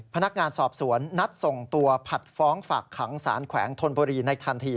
พนักงานสอบสวนนัดส่งตัวผัดฟ้องฝากขังสารแขวงธนบุรีในทันที